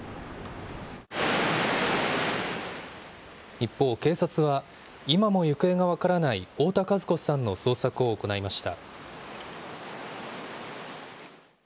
一方、警察は、今も行方が分からない太田和子さんの捜索を行いました。